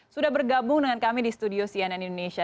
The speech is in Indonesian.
sudah bergabung dengan kami di studio cnn indonesia